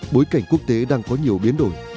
bối cảnh quốc tế đang có nhiều biến đổi